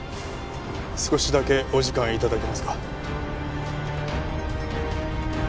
少しだけお時間頂けますか？